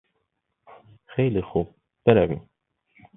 خیلی خوب، برویم.